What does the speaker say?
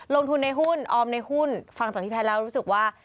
ลงทุนในหุ้นออมในหุ้นฟังจากพี่แพทย์แล้วรู้สึกว่า